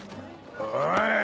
おい！